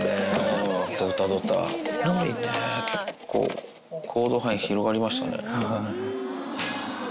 のりはね、結構、行動範囲、広がりましたね。